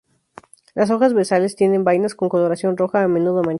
Las hojas basales tienen vainas con coloración roja, a menudo manchadas.